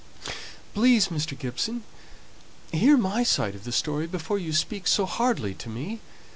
"Please, Mr. Gibson, hear my side of the story before you speak so hardly to me.